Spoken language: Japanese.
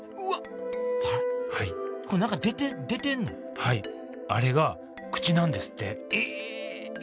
はいあれが口なんですってええ！？